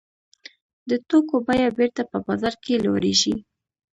د توکو بیه بېرته په بازار کې لوړېږي